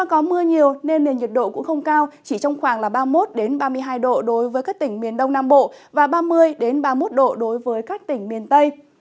có mưa nhiều nên nền nhiệt độ cũng không cao chỉ trong khoảng ba mươi một ba mươi hai độ đối với các tỉnh miền đông nam bộ và ba mươi ba mươi một độ đối với các tỉnh miền tây